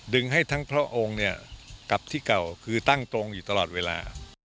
ให้ทั้งพระองค์เนี่ยกลับที่เก่าคือตั้งตรงอยู่ตลอดเวลา